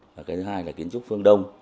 và cái thứ hai là kiến trúc phương đông